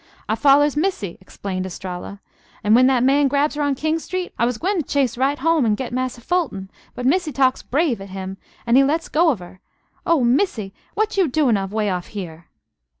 "I follers Missy," explained Bstralla. "An' when that man grabs her on King Street, I was gwine to chase right home an' get Massa Fulton, but Missy talks brave at him, an' he lets go of her. Oh, Missy! What you doin' of way off here?"